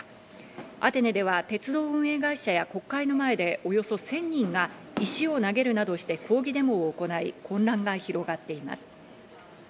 アテネでは鉄道運営会社や国会の前でおよそ１０００人が石を投げるなどして抗議デモを行い、混乱が広がっています。